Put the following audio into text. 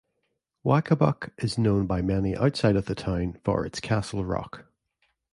Waccabuc is known by many outside of the town for its Castle Rock.